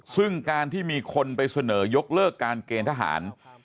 ซึ่งการที่มีคนไปเสนอยกเลิกการเกณฑ์ทหาร